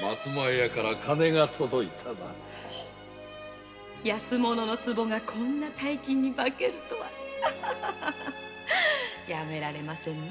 松前屋から金が届いたな安物のツボがこんな大金やめられませぬな